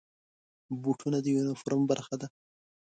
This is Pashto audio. بوټونه د یونیفورم برخه ده.